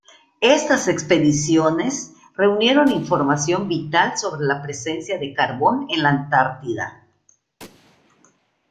Estas expediciones reunieron información vital sobre la presencia de carbón en la Antártida.